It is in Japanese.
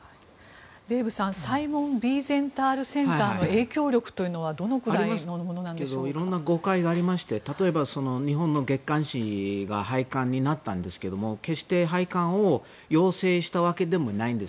デーブさんサイモン・ウィーゼンタール・センターの影響力はいろいろ誤解があって例えば日本の月刊誌が廃刊になったんですけど決して廃刊を要請したわけでもないんです。